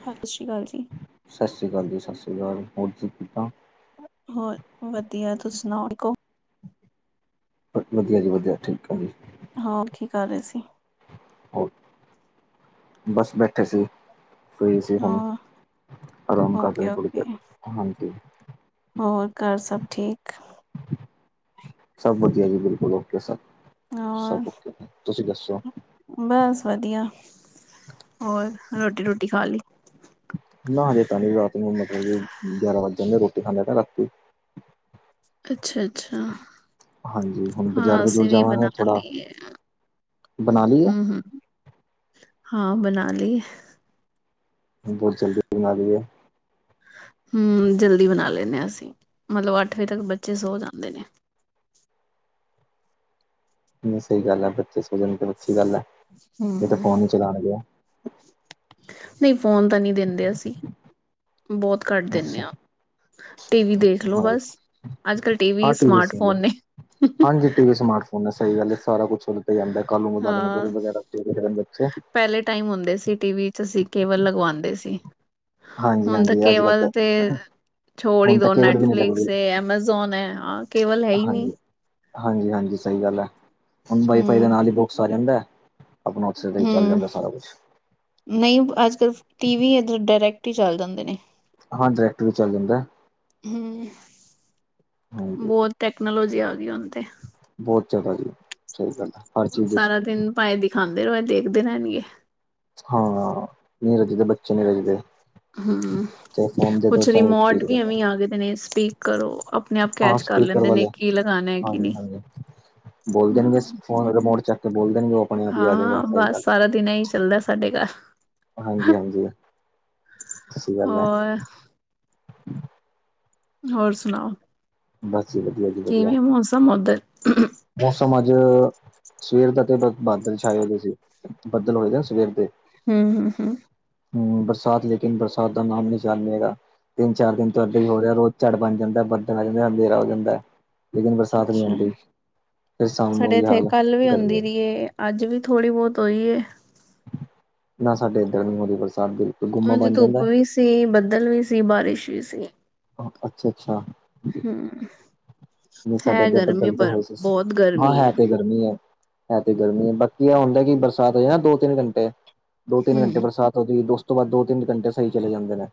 ਸ ਸ਼੍ਰੀ ਅਕਾਲ ਜੀ। ਸਸ ਸ੍ਰੀ ਅਕਾਲ ਜੀ। ਸਸ ਸ੍ਰੀ ਅਕਾਲ। ਹੋਰ ਜੀ ਕਿੱਦਾਂ। ਹੋਰ ਵਧੀਆ ਤੁਸੀ ਸੁਣਾਓ ਕੋ। ਵਧੀਆ ਜੀ ਵਧੀਆ ਠੀਕ ਠਾਕ ਆ ਜੀ। ਹੋਰ ਕੀ ਕਰ ਰਹੇ ਸੀ। ਹੋਰ ਬਸ ਬੈਠੇ ਸੀ। ਫਰੀ ਸੀ ਹੁਣ ਹਾਂ ਆਰਾਮ ਕਰ ਓਕੇ ਰਹੇ ਥੋੜੀ ਓਕੇ ਦੇਰ ਹਾਂਜੀ। ਹੋਰ ਘਰ ਸਭ ਠੀਕ। ਸਭ ਵਧੀਆ ਜੀ ਬਿਲਕੁਲ ਓਕੇ ਸਭ ਸਬ ਹੋਰ ਓਕੇ ਜ ਤੁਸੀਂ ਦੱਸੋ। ਬਸ ਵਧੀਆ ਹੋਰ ਰੋਟੀ ਰੂਟੀ ਖਾ ਲਈ ਨਾ ਹਜੇ ਤਾ ਨੀ ਰਾਤ ਨੂੰ ਮਤਲਬ ਕਿ ਗਿਆਰਾਂ ਵੱਜ ਜਾਂਦੇ ਰੋਟੀ ਖਾਂਦੇ ਰਾਤੀ ਅੱਛਾ, ਅੱਛਾ। ਹਾਂਜੀ ਹੁਣ ਬਾਜ਼ਾਰ ਹਾਂ ਬਜੂਰ ਅਸੀਂ ਵੀ ਜਾਵਾਂਗੇ ਬਣਾ ਥੋੜਾ ਲੀ ਏ, ਬਣਾ ਲਈਏ ਹੂੰ-ਹੂੰ। ਹਾਂ ਬਣਾ ਲਈ ਬਹੁਤ ਜਲਦੀ ਬਣਾ ਲਈ ਐ। ਹੂੰ ਜਲਦੀ ਬਣਾ ਲੈਂਣੇ ਅਸੀਂ ਮਤਲਬ ਅੱਠ ਵਜੇ ਤੱਕ ਬੱਚੇ ਸੌ ਜਾਂਦੇ ਨੇ ਨਈ ਸਈ ਗੱਲ ਐ, ਬੱਚੇ ਸੋ ਜਾਣ ਤੇ ਅੱਛੀ ਗੱਲ ਐ, ਨਈ ਤੇ ਹਮ ਫੋਨ ਈ ਚਲਾਣਗੇ। ਨਈ ਫੋਨ ਤਾਂ ਨੀ ਦਿੰਦੇ ਅਸੀਂ ਬੋਤ ਘੱਟ ਦਿੰਨੇ ਅੱਛਾ ਆ ਟੀ ਵੀ ਦੇਖਲੋ ਹਾਂ ਬਸ ਅਜਕੱਲ ਟੀ ਵੀ ਸਮਾਰਟਫੋਨ ਨੇ। ਹੁਣ ਸਈ ਗੱਲ ਐ ਸਾਰਾ ਕੁੱਛ ਓਦੇ ਤੇ ਈ ਆਂਦੈ ਕਲ ਹਾਂ [unintelligible] ਵਗੈਰਾ ਬੱਚੇ। ਪਹਿਲੇ ਟਾਈਮ ਹੁੰਦੇ ਸੀ ਟੀਵੀ ਚ ਅਸੀਂ ਕੇਬਲ ਲਗਵਾਂਦੇ ਸੀ। ਹੁਣ ਤਾਂ ਹਾਂਜੀ-ਹਾਂਜੀ ਅੱਜ-ਕੱਲ ਤਾਂ ਕੇਵਲ ਤੇ ਛੋੜ ਈ ਹੁਣ ਤਾਂ ਦੋ ਕੇਬਲ ਵੀ ਨੀ ਨੈਟਫਲਿਕਸ ਲੱਗਦੀ ਏ, ਐਮਾਜ਼ੋਨ ਏ ਹਾਂ ਕੇਵਲ ਹੈ ਈ ਨੀ। ਹਾਂਜੀ ਹਾਂਜੀ ਸਈ ਗੱਲ ਐ ਹੁਣ ਵਾਈ ਫਾਈ ਹਮ ਦੇ ਨਾਲ ਈ ਬੋਕਸ ਆ ਜਾਂਦੈ। ਹੂੰ। ਨਈ ਅੱਜ ਕੱਲ੍ਹ ਟੀ ਵੀ ਏਧਰ ਡਾਇਰੈਕਟ ਈ ਚੱਲ ਜਾਂਦੇ ਨੇ। ਹਾਂ ਡਾਇਰੈਕਟ ਵੀ ਚੱਲ ਜਾਂਦੈ। ਹੂੰ ਹਾਂਜੀ ਬੋਤ ਟੈਕਨੋਲੋਜੀ ਆ ਗਈ ਹੁਣ ਤੇ। ਬੋਤ ਚੰਗਾ ਜੀ ਸਈ ਗੱਲ ਹਰ ਚੀਜ਼ ਦੀ ਸ ਸਾਰਾ ਦਿਨ ਪਾਏ ਦਿਖਾਂਦੇ ਰੋ ਇਹ ਦੇਖਦੇ ਰੈਣਗੇ। ਹਾਂ ਨੀ ਰਜਦੇ, ਬੱਚੇ ਨੀ ਰਜਦੇ। ਹੂੰ ਚਾਹੇ ਫੋਨ ਦੇ ਦੋ ਕੁੱਛ ਚਾਹੇ ਰਿਮੋਟ ਟੀ-ਵੀ ਦੇ ਵੀ ਦੋ। ਐਵੇਂ ਈ ਆ ਗੇ ਦੇ ਨੇ ਸਪੀਕ ਕਰੋ ਆਪਣੇ ਆਪ ਹਾਂ ਕੈਚ ਕਰ ਸਪੀਕਰ ਲੈਂਦੇ ਨੇ ਵਾਲੇ ਕੀ ਲਗਾਣਾ ਕੀ ਨੀ। ਰਮੋਟ ਚੱਕ ਕੇ ਬੋਲ ਦੇਣ ਓ। ਆਪਣੇ ਆਪ ਈ ਆਜੇਗਾ ਸਈ ਬਸ ਗੱਲ ਸਾਰਾ ਦਿਨ ਇਹੀ ਚੱਲਦਾ ਸਾਡੇ ਘਰ ਹਾਂਜੀ-ਹਾਂਜੀ ਸਤਿ ਸ਼੍ਰੀ ਕਾਲ ਮੈਂ ਹੋਰ ਹੋਰ ਸੁਣਾਓ? ਬਸ ਜੀ ਵਧੀਆ ਜੀ। ਵਧੀਆ ਕਿਵੇਂ ਮੋਸਮ ਓਧਰ? ਮੌਸਮ ਅੱਜ ਸਵੇਰ ਦਾ ਤੇ ਬ ਬਾਦਲ ਛਾਏ ਹੋਦੇ ਸੀ ਬੱਦਲ ਹੋਏ ਦੇ ਸਵੇਰ ਦੇ। ਹੂੰ-ਹੂੰ ਹੂੰ ਬਰਸਾਤ ਲੇਕਿਨ ਬਰਸਾਤ ਦਾ ਨਾਮ ਨੀ ਜਾਨੇਗਾ ਤਿੰਨ-ਚਾਰ ਦਿਨ ਤੋਂ ਇੱਦਾਂ ਹੀ ਹੋ ਰਿਹਾ ਰੋਜ ਝੜ ਬਣ ਜਾਂਦਾ ਬੱਦਲ ਆ ਜਾਂਦੇ ਐ ਅੰਦੇਰਾ ਹੋ ਜਾਂਦਾ ਲੇਕਿਨ ਬਰਸਾਤ ਨੀ ਅੱਛਾ, ਹੁੰਦੀ। ਸਾਡੇ ਏਥੇ ਕੱਲ ਵੀ ਔਂਦੀ ਗਰਮੀ ਰਈਏ ਅੱਜ ਵੀ ਥੋੜ੍ਹੀ ਬਹੁਤ ਹੋਈ ਏ। ਨਾ ਸਾਡੇ ਏਧਰ ਨੀ ਹੋਰੀ ਬਰਸਾਤ ਦੀ। ਅੱਜ ਧੁੱਪ ਵੀ ਸੀ ਬੱਦਲ ਵੀ ਸੀ ਬਾਰਿਸ਼ ਵੀ ਸੀ। ਅੱਛਾ-ਅੱਛਾ ਹੂੰ। ਨਈ ਸਾਡੇ ਹੈ ਏਧਰ ਗਰਮੀ ਬੱਦਲ ਤੇ ਪਰ ਹੋਏ ਸੀ ਬਹੁਤ ਹਾਂ ਗਰਮੀ ਹੈ ਐ। ਤੇ ਗੱ ਗਰਮੀ ਐ ਹੈ ਤੇ ਗਰਮੀ ਐ ਬਾਕੀ ਐ ਹੁੰਦੈ ਕਿ ਬਰਸਾਤ ਹੋ ਜਾ ਨਾ ਦੋ ਤਿੰਨ-ਘੰਟੇ ਦੋ ਤਿੰਨ ਘੰਟੇ ਹੂੰ, ਬਰਸਾਤ ਹੂੰਦੀ ਉਸ ਤੋਂ ਬਾਦ ਦੋ ਤਿੰਨ ਘੰਟੇ ਸਈ ਚਲੇ ਜਾਂਦੇ ਨੇ।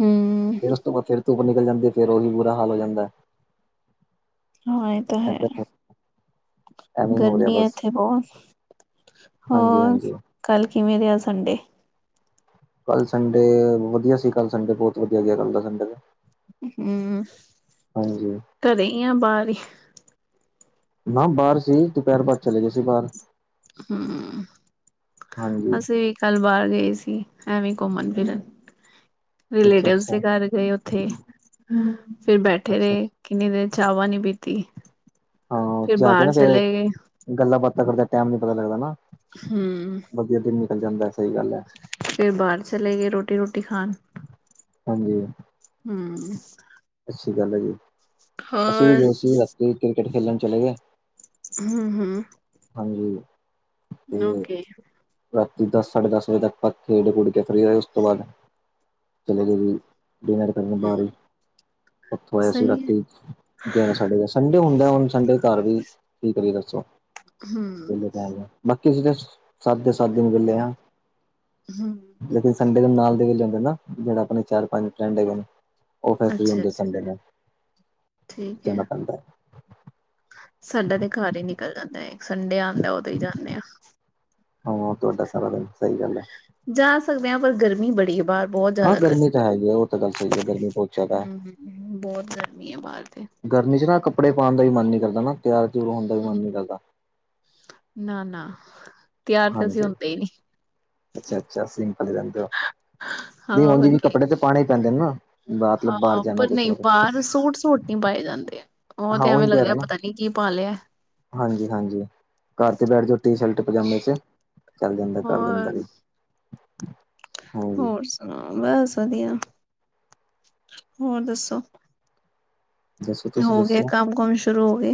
ਹੂੰ। ਫੇਰ ਉਸ ਤੋਂ ਬਾਅਦ ਫਿਰ ਧੁੱਪ ਨਿਕਲ ਜਾਂਦੀ ਫਿਰ ਓਹੀ ਬੁਰਾ ਹਾਲ ਹੋ ਜਾਂਦੈ। ਹਾਂ ਏ ਤਾਂ ਹੈ ਏਦਾਂ ਐਵੇਂ ਹੀ ਹੋ ਰਿਹਾ ਗਰਮੀ ਐ ਬਸ ਇੱਥੇ ਬੋ। ਹਾਂਜੀ ਹੋਰ ਹਾਂਜੀ ਕੱਲ ਕਿਵੇਂ ਰਿਹਾ ਸੰਡੇ? ਕੱਲ੍ਹ ਸੰਡੇ ਵਧੀਆ ਸੀ ਕੱਲ੍ਹ ਸੰਡੇ ਬੋਤ ਵਧੀਆ ਗਿਆ ਕੱਲ ਦਾ ਸੰਡੇ ਦਾ। ਹੂੰ ਹਾਂਜੀ ਘਰੇ ਈ ਆ ਬਾਰ ਈ। ਨਾ ਬਾਰ ਸੀ ਦੁਪਿਹਰ ਬਾਅਦ ਚਲੇ ਗਏ ਸੀ ਬਾਰ। ਹੂੰ ਹਾਂਜੀ ਅਸੀਂ ਵੀ ਕੱਲ੍ਹ ਬਾਰ ਗਏ ਸੀ ਐਵੇਂ ਈ ਘੁੰਮਣ ਫਿਰਨ। ਅੱਛਾ ਰਿਲੇਟਿਵਸ ਅੱਛਾ ਦੇ ਘਰ ਗਏ ਓਥੇ ਫਿਰ ਬੈਠੇ ਅੱਛਾ ਰਏ। ਅੱਛਾ ਕਿੰਨੀ ਦੇਰ ਚਾਵਾਂ ਨੀ ਪੀਤੀ। ਹਾਂ ਫਿਰ ਜਾ ਕੇ ਬਾਹਰ ਨਾ ਫੇਰ ਚਲੇ ਗਏ ਗੱਲਾਂ ਬਾਤਾਂ ਕਰਦੇ ਟੈਮ ਨੀ ਪਤਾ ਲੱਗਦਾ ਨਾ। ਹਮ ਵਧੀਆ ਦਿਨ ਨਿਕਲ ਜਾਂਦਾ ਸਈ ਗੱਲ ਐ। ਫਿਰ ਬਾਰ ਚਲੇ ਗਏ ਰੋਟੀ ਰੁਟੀ ਖਾਣ। ਹਾਂਜੀ। ਹੂੰ। ਅੱਛੀ ਗੱਲ ਆ ਜੀ ਅਸੀਂ ਵੀ ਹੋਰ ਗਏ ਸੀ ਰਾਤੀ ਕ੍ਰਿਕਟ ਖੇਲਣ ਚਲੇ ਗਏ। ਹੂੰ-ਹੂੰ ਹਾਂਜੀ ਤੇ ਓਕੇ ਰਾਤੀ ਦਸ ਸਾਡੇ ਦਸ ਵਜੇ ਤੱਕ ਆਪ ਖੇਡ ਖੁਡ ਕੇ ਫ੍ਰੀ ਹੋਏ, ਉਸ ਤੋਂ ਬਾਅਦ ਚਲੇ ਗਏ ਜ ਡਿਨਰ ਕਰਨ ਹੂੰ ਬਾਹਰ ਹੀ, ਉੱਥੋਂ ਆਇਆ ਸੀ ਸਹੀ ਹੈ ਰਾਤੀ। ਗਿਆਰਹ ਸਾਡੇ ਗਿਆਰਹ, ਸੰਡੇ ਹੁੰਦਾ, ਹੁਣ ਸੰਡੇ ਘਰ ਵੀ ਕੀ ਕਰੀਏ, ਦੱਸੋ। ਹੂੰ ਬਾਕੀ ਜੇੜੇ ਸਾਦੇ ਸਾਦੇ, ਔ ਵੀ ਲੈ ਆ ਹੂ ਲੇਕਿਨ ਸੰਡੇ ਦੇ ਨਾਲ ਦੇ ਵੀ ਜਾਂਦੇ ਨਾ, ਜਿਹੜੇ ਆਪਣੇ ਚਾਰ ਪੰਜ ਫਰੈਂਡ ਹੈਗੇ ਨੇ ਉਹ ਫਿਰ ਫ੍ਰੀ ਅੱਛਾ ਹੁੰਦੇ ਅੱਛਾ ਸਨਡੇ ਨਾ, ਜਾਣਾ ਪੈਂਦਾ ਹੈ ਸਾਡਾ ਤੇ ਘਰ ਹੀ ਨਿਕਲ ਜਾਂਦਾ ਹੈ ਸੰਡੇ ਆਉਂਦਾ ਉਦੋਂ ਹੀ ਜਾਂਦੇ ਆ। ਹਾਂ ਤੁਹਾਡਾ ਸਾਰਾ ਦਿਨ ਸਹੀ ਗੱਲ ਇਹ। ਜਾ ਸਕਦੇ ਹਾਂ, ਪਰ ਗਰਮੀ ਬੜੀ ਹੈ ਬਾਹਰ। ਬਹੁਤ ਹਾਂ ਜ਼ਿਆਦਾ ਗਰਮੀ ਤਾਂ ਹੇਗੀ ਉਹ ਤਾਂ ਗੱਲ ਸਹੀ ਹੈ, ਗਰਮੀ ਬਹੁਤ ਜ਼ਿਆਦਾ ਹੈ ਗਰਮੀ ਬਹੁਤ ਗਰਮੀ ਹੈ ਬਾਹਰ ਤੇ ਗਰਮੀ ਚ ਨਾ ਕੱਪੜੇ ਪਾਉਣ ਦਾ ਵੀ ਮਨ ਨਹੀ ਕਰਦਾ ਨਾ, ਤਿਆਰ ਤਉਰ ਹੋਣ ਦਾ ਵੀ ਮਨ ਨੀ ਕਰਦਾ। ਨਾ ਨਾ, ਤਿਆਰ ਤੇ ਅਸੀਂ ਹਾਂਜੀ ਹੁੰਦੇ ਹੀ ਨਹੀਂ। ਅੱਛਾ ਅੱਛਾ ਸਿੰਪਲ ਈ ਰਹਿੰਦੇ ਹੋ, ਹਾਂ ਜੀ ਔਨਜ ਹੋਰ ਕੀ ਵੀ ਕੱਪੜੇ ਤੇ ਪਾਉਣੇ ਹੀ ਪੈਂਦੇ ਨੇ ਨਾ। ਮਤਲਬ ਬਾਹਰ ਹਾਂ ਪਰ ਜਾਣਾ ਕੁਛ ਨਹੀਂ ਨਾ ਕੁਛ ਬਾਹਰ ਸੂਟ ਸੂਟ ਨਹੀਂ ਪਾਏ ਜਾਂਦੇ ਆ ਉਹ ਤੇ ਐਵੇਂ ਲੱਗਦਾ ਪਤਾ ਏ ਕੀ ਭਾ ਲਿਆ ਹਾਂਜੀ, ਹਾਂਜੀ ਘਰ ਤੇ ਬੈਠ ਜਾਓ ਟੀ ਸ਼ਰਟ ਪਜਾਮੇ ਚ ਚੱਲ ਜਾਂਦਾ ਕਰ ਹੋਰ ਦਿੰਦਾ ਵੀ ਹਾਂਜੀ। ਹੋਰ ਸੁਣਾਉ ਬਸ ਵਧੀਆ ਹੋਰ ਦੱਸੋ। ਦੱਸੋ ਤੁਸੀਂ ਹੋ ਗਏ ਦੱਸੋ, ਕੰਮ ਕੁਮ ਸ਼ੁਰੂ ਹੋ ਗਏ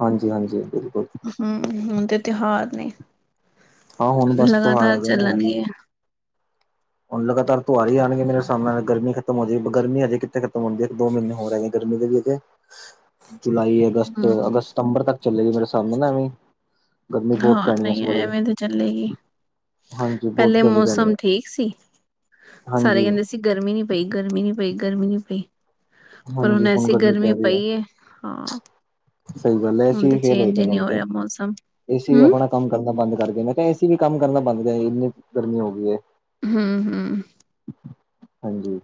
ਹਾਂਜੀ ਹਾਂਜੀ, ਬਿਲਕੁਲ ਹੂ, ਹੁਣ ਤੇ ਤਿਉਹਾਰ ਨੇ ਹਾਂ ਹੁਣ ਬਸ ਤਿਉਹਾਰ ਲਗਾਤਾਰ ਹੈਗੇ ਨੇ ਚੱਲਣਗਿਆਂ ਹੁਣ ਲਗਾਤਾਰ ਤਿਉਹਾਰ ਹੀ ਜਾਣਗੇ ਮੇਰੇ ਸਾਹਮਣੇ, ਨਾਲ ਗਰਮੀ ਖਤਮ ਹੋ ਜਾਏ, ਗਰਮੀ ਹਜੇ ਕਿਥੇ ਖਤਮ ਹੁੰਦੀ ਹੈ, ਇੱਕ ਦੋ ਮਹੀਨੇ ਹੋਰ ਹੈਗੇ। ਗਰਮੀ ਦੇ ਵੀ, ਜੁਲਾਈ ਹਮ ਅਗਸਤ ਸਤੰਬਰ ਤੱਕ ਚੱਲੇਗੀ, ਮੇਰੇ ਸਾਹਮਣੇ ਨਾ ਐਵੇਂ ਗਰਮੀ ਬਹੁਤ ਹਾਂ, ਪੈਣੀ ਹੈ ਇਸ ਨਹੀਂ ਵਾਰੀ ਐਵੇਂ ਤੇ ਚੱਲੇਗੀ ਹਾਂਜੀ ਬਹੁਤ ਪਹਿਲੇ ਗਰਮੀ ਪੈਣੀ ਮੌਸਮ ਹੈ ਠੀਕ ਸੀ ਸਾਰੇ ਕਹਿੰਦੇ ਹਾਂਜੀ-ਹਾਂਜੀ ਸੀ, ਗਰਮੀ ਨੀ ਪਈ, ਗਰਮੀ ਨੀ ਪਈ, ਗਰਮੀ ਨੀ ਪਈ। ਪਰ ਹੁਣ ਐਸੀ ਗਰਮੀ ਪਈ ਹੈ, ਹਾਂ। ਸਹੀ ਗੱਲ ਹੁਣ ਤੇ ਚੇਂਜ ਹੀ ਨਹੀ ਹੋ ਰਿਹਾ, ਮੌਸਮ। ਏ ਸੀ ਵੀ ਹਮ ਆਪਣਾ ਕੰਮ ਕਰਨਾ ਬੰਦ ਕਰਕੇ, ਮੈਂ ਕਿਹਾ ਏ ਸੀ ਵੀ ਕੰਮ ਕਰਨਾ ਬੰਦ ਕਰ, ਇੰਨੀ ਗਰਮੀ ਹੋ ਗਈ ਹੈ ਹੂ ਹੂ ਹਾਂਜੀ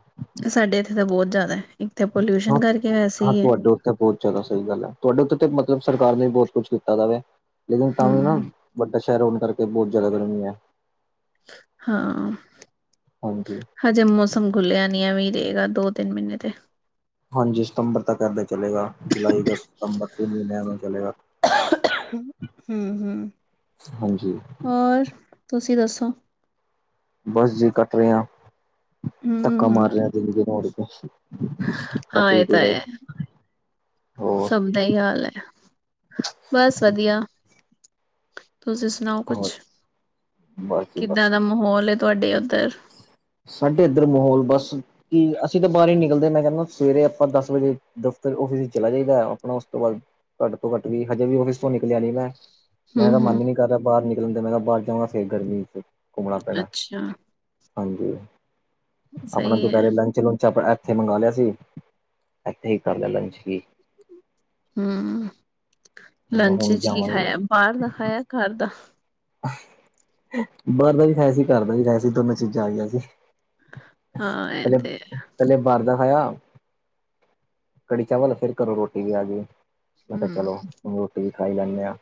ਸਾਡੇ ਇੱਥੇ ਤਾਂ ਬਹੁਤ ਜ਼ਿਆਦਾ ਹੈ, ਇੱਕ ਤੇ ਹਾਂ ਪੋਲਿਊਸ਼ਨ ਕਰਕੇ, ਵੈਸੇ ਹਾਂ ਹੀ ਹੈ। ਤੁਹਾਡੇ ਉੱਥੇ ਬਹੁਤ ਜ਼ਿਆਦਾ ਸਹੀ ਗੱਲ ਹੈ, ਤੁਹਾਡੇ ਉੱਤੇ ਤਾਂ ਮਤਲਬ ਸਰਕਾਰ ਨੇ ਵੀ ਬਹੁਤ ਕੁੱਛ ਕੀਤਾ ਦਾ ਵੈ, ਲੇਕਿਨ ਤਾਂ ਵੀ ਨਾ ਹੂੰ। ਵੱਡਾ ਸ਼ਹਿਰ ਹੋਣ ਕਰਕੇ, ਬਹੁਤ ਜ਼ਿਆਦਾ ਗਰਮੀ ਹੈ। ਹਾਂ ਹਾਂਜੀ ਹਜੇ ਮੌਸਮ ਖੁੱਲਿਆ ਨਹੀ, ਇਵੇ ਹੀ ਰਹੇਗਾ ਦੋ ਤਿੰਨ ਮਹੀਨੇ ਤੇ ਹਾਂਜੀ ਸਤੰਬਰ ਤੱਕ ਏਦਾਂ ਚਲੇਗਾ, ਜੁਲਾਈ ਅਗਸਤ ਸਤੰਬਰ ਤੋਂ ਮਹੀਨੇ ਚਲੇਗਾ ਹਮ, ਹਮ ਹਾਂਜੀ ਹੋਰ ਤੁਸੀਂ ਦੱਸੋ। ਬਸ ਜੇ ਕੱਟ ਰਿ ਆ, ਧੱਕਾ ਹੂੰ-ਹੂੰ। ਮਾਰ ਰਿਹਾ ਦਿਨ ਦੇ ਨੜ ਸੁੱਕਾ ਹਾਂ ਕਟ ਇਹ ਤਾਂ ਏ ਹੋਰ ਸਹੀ ਹਾਲ ਹੈ, ਬਸ ਵਧੀਆ। ਤੁਸੀਂ ਸੁਣਾਓ ਕੁਛ, ਹੋਰ ਬਸ ਜੀ ਕਿੱਦਾਂ ਬਸ ਦਾ ਮਾਹੌਲ ਹੈ ਤੁਹਾਡੇ ਉੱਧਰ। ਸਾਡੇ ਇੱਧਰ ਮਾਹੌਲ ਬਸ ਕਿ ਅਸੀਂ ਤਾਂ ਬਾਹਰ ਹੀ ਨਿਕਲਦੇ ਮੈਂ ਕਹਿੰਦਾ ਸਵੇਰੇ ਆਪਾਂ ਦਸ ਵਜੇ ਦਫ਼ਤਰ ਔਫੀਸ ਚ ਚਲਾ ਜਾਈਦਾ ਆਪਣਾ ਉਸ ਤੋਂ ਬਾਅਦ। ਘੱਟ ਤੋਂ ਘੱਟ ਵੀ, ਹਜੇ ਵੀ ਫਿਸ ਤੋਂ ਨਿਕਲਿਆ ਨੀ ਮੈਂ ਮੈਂ ਤਾਂ ਮਨ ਹੂੰ-ਹੂੰ। ਹੀ ਨੀ ਕਰ ਰਿਹਾ ਬਾਹਰ ਨਿਕਲਣ ਦਾ, ਮੈਂ ਬਾਹਰ ਜਾਊਗਾ ਫਿਰ ਗਰਮੀ ਘੁੰਮਣਾ ਪੈਣਾ ਅੱਛਾ ਹਾਂਜੀ, ਆਪਣਾ ਸਹੀ ਹੈ। ਦੁਪਹਿਰੇ ਲੰਚ ਲੁੰਚ ਆਪਣਾ ਇੱਥੇ ਮੰਗਵਾ ਲਿਆ ਸੀ, ਇੱਥੇ ਹੀ ਕਰ ਲਿਆ ਲੰਚ ਹੀ। ਹੂ, ਲੰਚ ਹੁਣ ਵਿਚ ਕੀ ਜਾਵਾਂਗੇ ਖਾਇਆ, ਬਾਹਰ ਦਾ ਖਾਇਆ ਘਰ ਦਾ ਬਾਹਰ ਦਾ ਵੀ ਖਾਇਆ ਸੀ ਘਰ ਦਾ ਵੀ ਖਾਇਆ ਸੀ ਦੋਨ ਚੀਜ਼ਾਂ ਆ ਗਈਆਂ ਸੀ। ਹਾਂ [inaudible] ਇਹ ਤੇ ਹੈ। ਪਹਿਲਾਂ ਬਾਹਰ ਦਾ ਖਾਇਆ ਕੜੀ ਚਾਵਲ ਫਿਰ ਕਰੋ ਰੋਟੀ ਵੀ ਆ ਗਈ ਮੈਂ ਕਿਹਾ ਚਲੋ ਹੂੰ। ਰੋਟੀ ਵੀ ਖਾਈ ਲੈਂਦੇ ਆ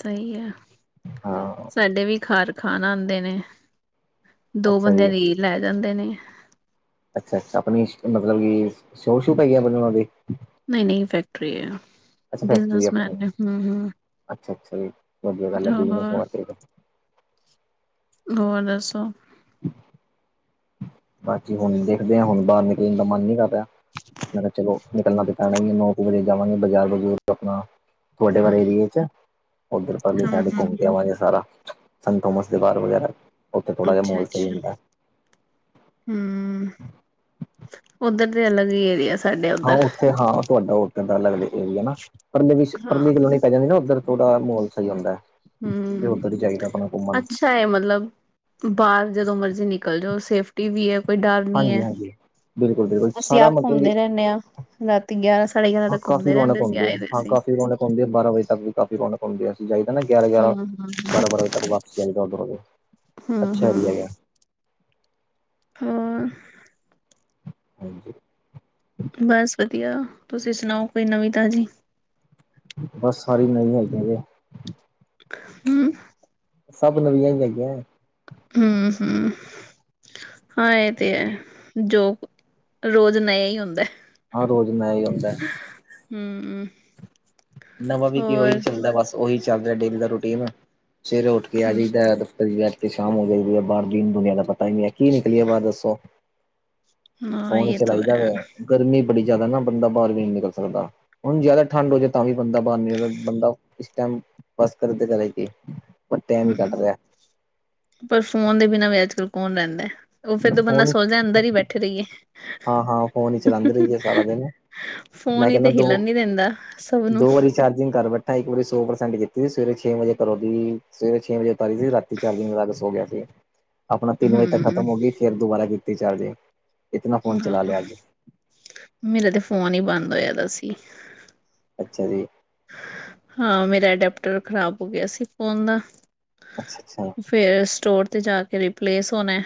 ਸਹੀ ਹੈ। ਹਾਂ ਸਾਡੇ ਵੀ ਖਰ ਖਾਣ ਆਉਂਦੇ ਨੇ ਦੋ ਅੱਛਾ ਬੰਦਿਆਂ ਜੀ ਦੀ ਲੈ ਜਾਂਦੇ ਨੇ ਅੱਛਾ ਅੱਛਾ ਆਪਣੀ ਮਤਲਬ ਕਿ ਸ਼ੋਅ ਸ਼ੂ ਪੈਗੀ ਆ ਆਪਣੇ ਉਹਨਾਂ ਦੀ ਨਹੀਂ ਨਹੀਂ ਫੈਕਟਰੀ ਹੈ ਅੱਛਾ ਫੈਕਟਰੀ ਆਪਣੀ ਬਿਜਨਸਮੈਨ ਹਮ ਹਮ ਅੱਛਾ ਅੱਛਾ ਜ ਵਧੀਆ ਗੱਲ ਥਿਜਨਸ ਹੋਰ-ਹੋਰ ਵਸਤੇ ਹੋਰ ਦੱਸੋ [inaudible] ਹਾਂਜੀ ਹੁਣ ਦੇਖਦੇ ਹਾਂ ਹੁਣ ਬਾਹਰ ਨਿਕਲਣ ਦਾ ਮਨ ਨੀ ਕਰ ਰਿਹਾ ਮੈਂ ਕਿਹਾ ਚਲੋ ਨਿਕਲਣਾ ਤੇ ਪੈਣਾ ਹੀ ਮੇਨੂੰ ਉਹ ਸਵਰੇੇ ਜਾਵਾਂਗੇ ਬਾਜ਼ਾਰ ਵਜ਼ੂਰ ਆਪਣਾ ਤੁਹਾਡੇ ਵਰੇ ਏਰੀਏ ਚ ਉੱਧਰ ਪਰ ਸਾਡ ਹੂੰ-ਹੂੰ-ਹੂੰ-ਹੂੰ ਅੱਛਾ-ਅੱਛਾ ਹੂੰ ਘੁੰਮ ਕੇ ਹੂੰ, ਆਵਾਂਗੇ ਸਾਰਾ ਸੰਤਥੋਮਸ ਦੇ ਬਾਹਰ ਵਗੈਰਾ ਉੱਥੇ ਥੋੜਾ ਜਿਹਾ ਮਾਹੌਲ ਸਹੀ ਹੁੰਦਾ ਹੈ ਹਮ ਉੱਧਰ ਦੇ ਅਲੱਗ ਏਰੀਆ ਸਾਡੇ ਹਾਂ ਉੱਧਰ ਉੱਥੇ ਹਾਂ ਤੁਹਾਡਾ ਉਹ ਉਦਾਂ ਦਾ ਅਲੱਗ ਏਰੀਆ ਨਾ ਪਰ ਹਾਂ ਪਰਲੀ ਕਲੋਨੀ ਪੈ ਜਾਂਦੀ ਨਾ ਉੱਧਰ ਥੋੜ੍ਹਾ ਮਾਹੌਲ ਸਹੀ ਹੁੰਦਾ ਹੈ ਤੇ ਉੱਧਰ ਹੀ ਜਾਈਦਾ ਆਪਣਾ ਘੁੰਮਣ ਹੇ ਮਤਲਬ ਬਾਹਰ ਜਦੋਂ ਮਰਜੀ ਨਿਕਲ ਜਾਓ ਸੇਫਟੀ ਟੀਵੀ ਵੀ ਹੈ ਕੋਈ ਡਰ ਨੀ ਹਾਂਜੀ ਹੈ ਹਾਂਜੀ ਬਿਲਕੁਲ ਬਿਲਕੁਲ ਅਸੀਂ ਸਾਰਾ ਆਪ ਮਤਲਬ ਕਿ ਘੁੰਮਦੇ ਰਹਿੰਦੇ ਹਾਂ ਰਾਤੀ ਤੇ ਗਿਆਰਾਂ ਸਢੇ ਗਿਆਰਾਂ ਤਾਂ ਘੁੰਮਦੇ ਰਹਿੰਦੇ ਸੀ ਆਏ ਸੀਂ ਘੁੰਮਦੇ ਬਾਰਾਂ ਵਜੇ ਤੱਕ ਵੀ ਕਾਫੀ ਰੌਣਕ ਹੁੰਦੀ ਐ ਅਸੀ ਜਾਈਦਾ ਦਾ ਨਾ ਗਿਆਰਾਂ-ਗਿਆਰਾਂ, ਬਾਰਾਂ-ਬਾਰਾਂ ਵਜੇ ਤੱਕ ਵਾਪਸ ਚਲਦਾ ਓਡਰੋਂ ਵੀ। ਹਾਂ- ਹਾਂ। [unintelligible] ਹਾਂਜੀ। ਬਸ ਵਧੀਆ, ਤੁਸੀਂ ਸੁਣਾਓ, ਕੋਈ ਨਵੀਂ ਤਾਜ਼ੀ? ਬਸ, ਸਾਰੀ ਨਵੀ, ਹੈਗੀ ਜੇ ਹਮ। ਸਭ ਨਵੀਆਂ ਹੀ ਹੈਗੀਆਂ ਹਮ ਹਮ ਹਾਂ ਇਹ ਤੇ ਹੈ ਜੋ ਰੋਜ਼ ਨਯਾ ਹੀ ਹੁੰਦਾ ਹਹ ਰੋਜ਼ ਮੇਂ ਹੀ ਹੁੰਦਾ ਹੈ ਹਮਮ। ਨਵਾਂ ਵੀ ਕੀ, ਉਹੀ ਚੱਲਦਾ ਬਸ, ਉਹੀ ਚੱਲ ਰਿਹਾ, ਡੇਲੀ ਦਾ ਰੂਟੀਨ, ਸਵੇਰੇ ਉੱਠ ਕੇ ਆ ਹੂੰ ਜਾਈਦਾ। ਸ਼ਾਮ ਹੋ ਜਾਂਦੀ ਆ, ਬਾਹਰ ਦੀਨ ਦੁਨੀਆਂ ਦਾ ਪਤਾ ਹੀ ਨਹੀਂ ਹੈ, ਕੀ ਨਿਕਲੀਏ, ਬਾਹਰ ਦੱਸੋ? ਹਾਂ ਫੋਨ ਹੀ ਇਹ ਤਾਂ ਚਲਾਈਦਾ ਹੈ ਵੇ, ਗਰਮੀ ਬੜੀ ਜ਼ਿਆਦਾ ਨਾ, ਬੰਦਾ ਬਾਹਰ ਵੀ ਨੀ ਨਿਕਲ ਸਕਦਾ, ਹੁਣ ਜ਼ਿਆਦਾ ਠੰਡ ਹੋ ਜਾਏ ਤਾਂ, ਵੀ ਬੰਦਾ ਬਾਹਨੇ ਬੰਦਾ, ਇਸ ਟਾਈਮ ਬਸ, ਕਰੇ ਤੇ ਕਰੇ ਕਿ? ਹਮ, ਪਰ ਫੋਨ ਦੇ ਬਿਨਾਂ ਵੀ, ਅੱਜ- ਕੱਲ੍ਹ ਕੌਣ ਰਹਿੰਦਾ? ਫਿਰ ਤਾਂ ਬੰਦਾ ਫੋਨ ਹੀ ਸੋਚਦਾ, ਅੰਦਰ ਹੀ ਬੈਠੇ ਰਹੀਏ। ਹਾਂ -ਹਾਂ, ਫੋਨ ਹੀ ਚਲਾਉਂਦੇ ਰਹੀਏ, ਸਾਰਾ ਦਿਨ। ਫੋਨ ਮੈਂ ਹੀ ਤੇ, ਕਹਿੰਦਾ ਦੋ ਹਿਲਣ ਨੀ ਦਿੰਦਾ ਸਭ ਨੂੰ। ਦੋ ਵਾਰੀ, ਚਾਰਜਿੰਗ ਕਰ ਬੈਠਾਂ, ਇੱਕ ਵਾਰੀ ਸੌ ਪ੍ਰਸੈਂਟ ਕੀਤੀ ਸੀ ਸਵੇਰੇ ਛੇ ਵਜੇ, ਪਰ ਉਹਦੀ ਸਵੇਰੇ, ਛੇ ਵਜੇ ਉਤਾਰੀ ਸੀ, ਰਾਤ ਤੇ ਰਾਤੀਂ, ਚਾਰਜਿੰਗ ਲਗਾ ਕੇ, ਸੋ ਗਿਆ ਸੀ। ਆਪਣਾ ਤਿੰਨ ਵਜੇ ਤੱਕ ਹਮ ਖਤਮ ਹੋਗੀ, ਫੇਰ ਦੁਬਾਰਾ ਕੀਤੀ ਚਾਰਜਿੰਗ ਇਤਨਾ ਫੋਨ ਹਾਂ, ਚਲਾ ਲਿਆ ਅੱਜ ਮੇਰਾ ਤੇ ਫੋਨ ਹੀ ਬੰਦ ਹੋਇਆ ਵਾ ਸੀ। ਅੱਛਾ ਜੀ। ਹਾਂ ਮੇਰਾ, ਡਾਫਟਰ ਖ਼ਰਾਬ ਹੋ ਗਿਆ ਸੀ, ਫੋਨ ਦਾ ਅੱਛਾ- ਅੱਛਾ। ਫਿਰ ਸਟੋਰ ਤੇ ਜਾ ਕੇ ਰਿੀਪਲੇਸ ਹੋਣਾ।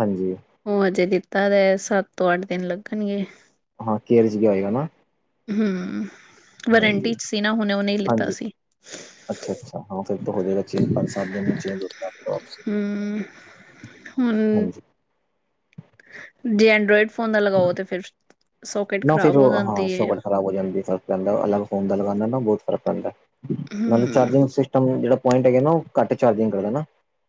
ਹਾਂਜੀ। ਉਹ ਅਜੇ ਦਿੱਤਾ ਦਾ ਸੱਤ ਤੋਂ ਅੱਠ ਦਿਨ ਲੱਗਣਗੇ। ਹਾਂ ਕੇਰ ਚ ਗਿਆ ਹੋਏਗਾ ਨਾ। ਹਮ ਵਾਰੰਟੀ ਹਾਂਜੀ ਚ ਸੀ ਨਾ ਹੁਨੇ ਉਹਨੇ ਲਿੱਤਾ ਹਾਂਜੀ ਸੀ। ਅੱਛਾ ਅੱਛਾ ਹਾਂ ਫਿਰ ਹੋ ਜਾਏਗਾ ਚੇਂ ਪੰਜ ਸਤ ਦਿਨ ਚੇਂਜ ਹੋ ਜਾਂਦਾ। ਹਮ ਹੁਣ ਜੇ ਐਂਡਰੋਇਡ ਫੋਨ ਦਾ ਲਗਾਓ ਤੇ ਫਿਰ ਸੋਕਟ ਖ਼ਰਾਬ ਹੋ ਜਾਂਦੀ। ਖ਼ਰਾਬ ਹੋ ਜਾਂਦੀ ਫਰਕ ਪੈਂਦਾ ਅਲੱਗ ਫੋਨ ਲਗਾਉ ਬਹੁਤ ਫ਼ਰਕ ਪੈਂਦਾ ਨਾਲ ਹਮ ਚਾਰਿੰਗ ਘੱਟ ਚਾਰਜਿੰਗ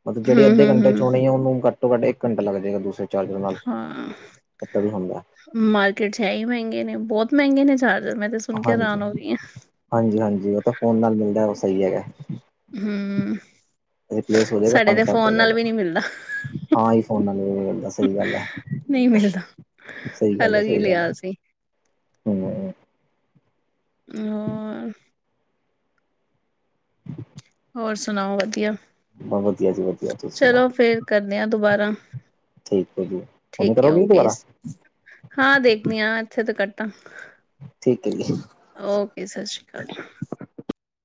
ਮਤਲਬ ਜਿਹੜੇ ਹਮ ਅੱਦੇ ਹਮ ਘੱਟੇ ਚ ਹਮ ਹੋਣੀ ਆ ਉਹਨੂੰ ਘਟਾ ਇੱਕ ਘੱਟਾ ਲੱਗ ਜਾਏਗਾ ਦੂਸਰੇ ਚਾਰਜਰ ਨਾਲ ਹਾਂ ਏਦਾਂ ਵੀ ਹੁੰਦਾ ਮਾਰਕੀਟ ਚ ਹੈ ਹੀ ਮਹਿੰਗੇ ਨੇ ਬਹੁਤ ਮਹਿੰਗੇ ਨੇ ਚ ਮੈਂ ਤੇ ਸੁਣ ਕੇ ਹਾਂਜੀ ਹੈਰਾਨ ਹੋ ਗਈ ਹਾਂ। ਹਾਂਜੀ ਹਾਂਜੀ ਉਹ ਤਾਂ ਫੋਨ ਨਾਲ ਮਿਲਦਾ ਉਹ ਸਹੀ ਹੈਗਾ। ਹਮ। ਰਿਪਲੇਸ ਹੋ ਜਾਵੇਗਾ ਸਾਡੇ ਪੰਜ ਤੇ ਸੱਤ ਫੋਨ ਦਿਨਾਂ। ਨਾਲ ਵੀ ਨਹੀਂ ਮਿਲਦਾ ਹਾਂ ਹੀ ਫੋਨਾਂ ਨੂੰ ਨਹੀਂ ਮਿਲਦਾ ਸਹੀ ਗੱਲ ਹੈ। ਨਹੀਂ ਮਿਲਦਾ ਸਹੀ ਗੱਲ ਹੈ ਅਲੱਗ ਹੀ ਸਹੀ ਗੱਲ ਹੈ ਲਿਆ ਸੀ ਹਮ। ਹੋਰ। ਹੋਰ ਸੁਣਾਓ ਵਧੀਆ।, ਬੱਸ ਵਧੀਆ ਜੀ ਵਧੀਆ ਤੁਸੀਂ ਸੁਣਾਓ। ਕਰਨੇ ਆ ਦੁਬਾਰਾ। ਠੀਕ ਹੈ ਜੀ ਹੁਣ ਠੀਕ ਹੈ ਕਰੋਗੇ ਓਕੇ ਦੁਬਾਰਾ? ਹਾਂ ਦੇਖਦੀ ਹਾਂ। ਠੀਕ ਹੈ ਜੀ। ਓਕੇ ਸਤਿ ਸ਼੍ਰੀ ਅਕਾਲ।